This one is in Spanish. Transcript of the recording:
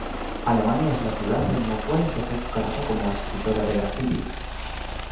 Alemania es la ciudad en la cual empezó su carrera como escritora de grafiti.